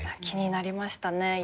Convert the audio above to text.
気になりましたね。